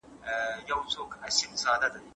هغوی له نورو سره په عاجزۍ چلند کوي.